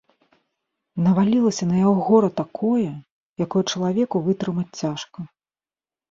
Навалілася на яго гора такое, якое чалавеку вытрымаць цяжка.